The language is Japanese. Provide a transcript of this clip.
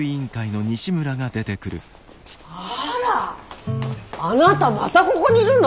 あらあなたまたここにいるの？